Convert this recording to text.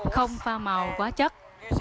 không pha màu quá chất